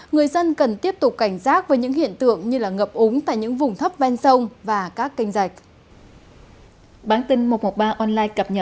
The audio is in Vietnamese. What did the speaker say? người dân cần tiếp tục cảnh giác với những hiện tượng như ngập úng tại những vùng thấp ven sông và các kênh dạch